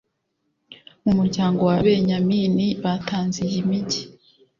mu muryango wa benyamini batanze iyi migi